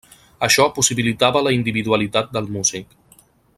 Això possibilitava la individualitat del músic.